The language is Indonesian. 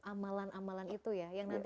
amalan amalan itu ya yang nanti